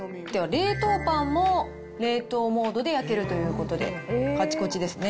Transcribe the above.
冷凍パンも、冷凍モードで焼けるということで、かちこちですね。